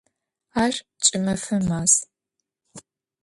Ар кӏымэфэ маз.